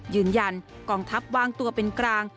ยืนยันกองทัพวางตัวเป็นกลาง